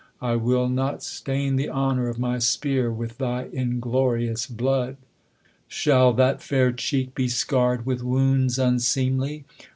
I will not stain the honor of my spear With thy inglorious blood. Shall that fair check Be scan 'd with wounds unseemly